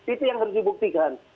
itu yang harus dibuktikan